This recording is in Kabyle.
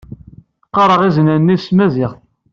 Qqareɣ iznan-nni s tmaziɣt.